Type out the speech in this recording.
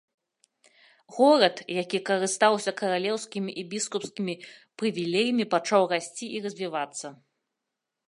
Горад, які карыстаўся каралеўскімі і біскупскімі прывілеямі, пачаў расці і развівацца.